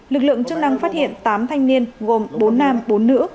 lực lượng chức năng phát hiện tám thanh niên gồm bốn nam bốn nữ